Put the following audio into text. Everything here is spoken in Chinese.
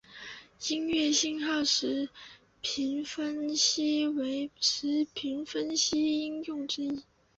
音乐信号时频分析为时频分析应用之一。